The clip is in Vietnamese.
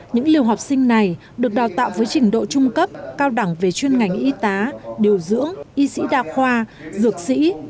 những liều học sinh này được đào tạo với trình độ trung cấp cao đẳng về chuyên ngành y tá điều dưỡng y sĩ đa khoa dược sĩ